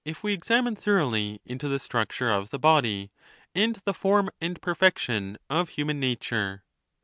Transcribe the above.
301 it we examine thoroughly into the structure of the body, and the form and perfection of human nature.